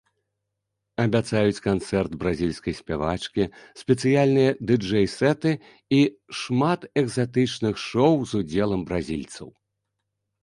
Абяцаюць канцэрт бразільскай спявачкі, спецыяльныя дыджэй-сэты і шмат экзатычных шоу з удзелам бразільцаў.